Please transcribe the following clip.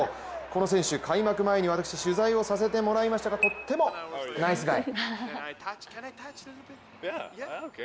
この選手、私、開幕前に取材をさせていただきましたがとってもナイスガイ！